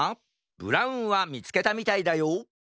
ブラウンはみつけたみたいだよ